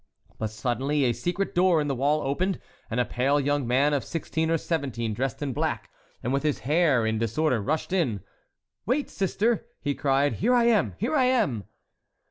But suddenly a secret door in the wall opened, and a pale young man of sixteen or seventeen, dressed in black and with his hair in disorder, rushed in. "Wait, sister!" he cried; "here I am, here I am!"